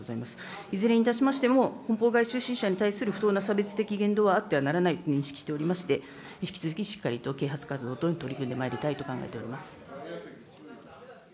いずれにいたしましても、本邦外出身者に対する不当な差別的言動はあってはならないと認識しておりまして、引き続きしっかりと啓発活動等に取り組んでまいりたいと思います。